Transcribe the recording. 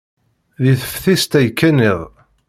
Deg teftist ay kkan iḍ.